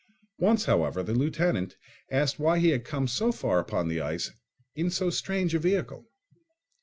Once, however, the lieutenant asked why he had come so far upon the ice in so strange a vehicle.